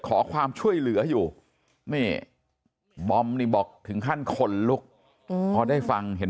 ขอความช่วยเหลืออยู่บอมบอกถึงขั้นคนลุกเพราะได้ฟังเห็น